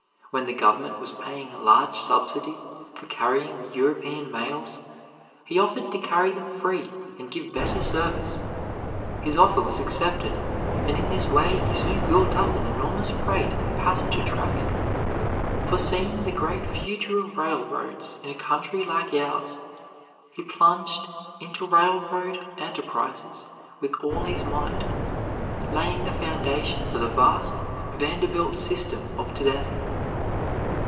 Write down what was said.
When the government was paying a large subsidy for carrying the European mails, he offered to carry them free and give better service. His offer was accepted, and in this way he soon built up an enormous freight and passenger traffic. Foreseeing the great future of railroads in a country like ours, he plunged into railroad enterprises with all his might, laying the foundation for the vast Vanderbilt system of to day.